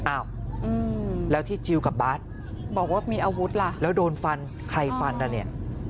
อ้าวแล้วที่จิลกับบาสบอกว่ามีอาวุธล่ะแล้วโดนฟันใครฟันน่ะเนี่ย